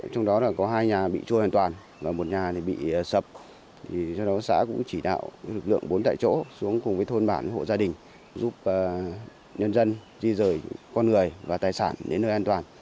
trong đó có hai nhà bị trôi hoàn toàn và một nhà bị sập do đó xã cũng chỉ đạo lực lượng bốn tại chỗ xuống cùng với thôn bản hộ gia đình giúp nhân dân di rời con người và tài sản đến nơi an toàn